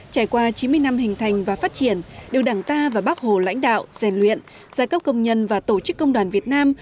trải qua chín mươi năm hình thành và phát triển điều đảng ta và bác hồ lãnh đạo rèn luyện giai cấp công nhân và tổ chức công đoàn việt nam